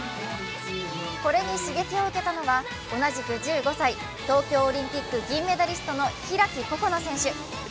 これに刺激を受けたのは、同じく１５歳東京オリンピック銀メダリストの開心那選手。